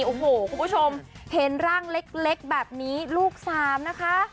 โอ้โหคุณผู้ชมเห็นร่างเล็กแบบนี้ลูกสามนะคะ